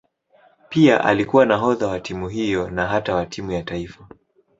Pia alikuwa nahodha wa timu hiyo na hata wa timu ya taifa.